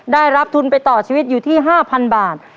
ได้รับทุนไปต่อชีวิตอยู่ที่๕๐๐บาท